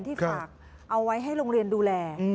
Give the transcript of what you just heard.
ฝากเอาไว้ให้โรงเรียนดูแล